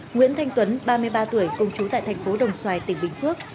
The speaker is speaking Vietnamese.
nguyễn thanh tuấn ba mươi ba tuổi công chú tại tp đồng xoài tỉnh bình phước